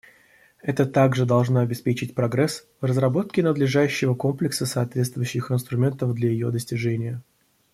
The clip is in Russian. Это также должно обеспечить прогресс в разработке надлежащего комплекса соответствующих инструментов для ее достижения.